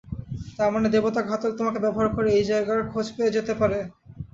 তার মানে দেবতা ঘাতক তোমাকে ব্যবহার করে এই জায়গার খোঁজ পেয়ে যেতে পারে।